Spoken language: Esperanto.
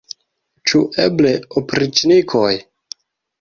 Ĉu eble opriĉnikoj?